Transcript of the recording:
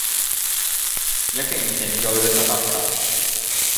やけに蝉がうるさかった